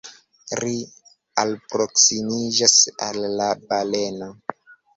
Ri alproksimiĝas al la baleno.